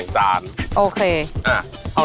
มันเป็นอะไร